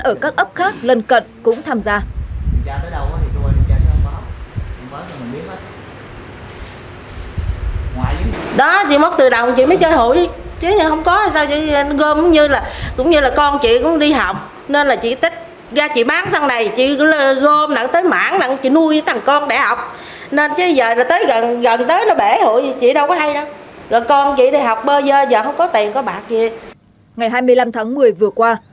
ở các ấp khác lân cận cũng tham gia